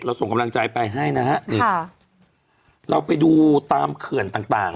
ส่งกำลังใจไปให้นะฮะนี่ค่ะเราไปดูตามเขื่อนต่างต่าง